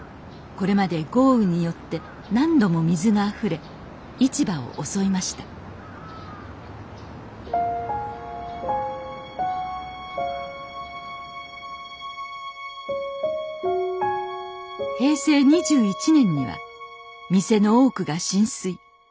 これまで豪雨によって何度も水があふれ市場を襲いました平成２１年には店の多くが浸水。